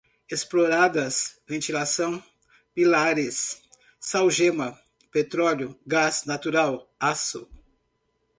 exploradas, ventilação, pilares, sal-gema, petróleo, gás natural, aço